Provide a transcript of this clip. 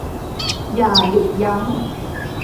อย่าหยุดยั้ง